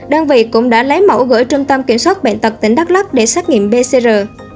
đơn vị cũng đã lấy mẫu gửi trung tâm kiểm soát bệnh tật tỉnh đắk lắc để xét nghiệm pcr